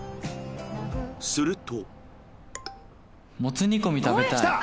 すると